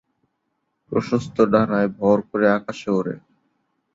প্রশস্ত ডানায় ভর করে আকাশে ওড়ে।